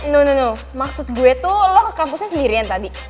no no no maksud gue tuh lo ke kampusnya sendirian tadi